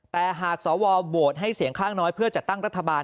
แต่หากสวโหวตให้เสียงข้างน้อยเพื่อจัดตั้งรัฐบาล